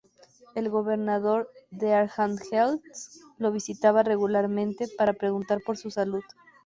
El gobernador de Arkhangelsk los visitaba regularmente para preguntar por su salud.